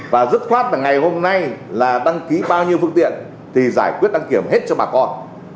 và dứt khoát là ngày hôm nay là đăng ký bao nhiêu phương tiện thì giải quyết đăng kiểm hết cho bà con